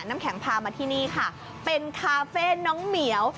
น้ำแข็งพามาที่นี่ค่ะเป็นคาเฟ่น้องเหมียว